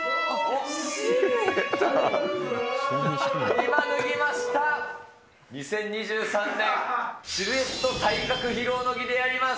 今、入りました、２０２３年シルエット体格披露の儀であります。